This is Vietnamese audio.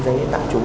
giấy tạm trú ạ